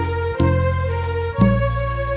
เพลงละคราวราชลาว